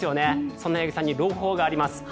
そんな八木さんに朗報があります。